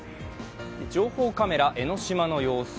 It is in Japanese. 情報カメラ、江の島の様子。